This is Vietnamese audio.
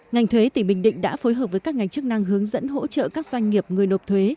ngành thuế tỉnh bình định đã phối hợp với các ngành chức năng hướng dẫn hỗ trợ các doanh nghiệp người nộp thuế